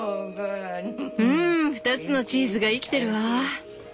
うん２つのチーズが生きてるわ。